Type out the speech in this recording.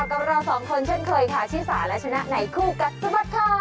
กับเราสองคนเช่นเคยค่ะ